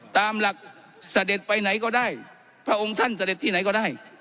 ตามหลักเสด็จไปไหนก็ได้พระองค์ท่านเสด็จที่ไหนก็ได้